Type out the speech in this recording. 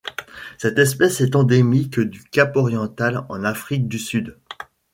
Cette espèce est endémique de Cap-Oriental en Afrique du Sud.